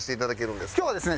今日はですね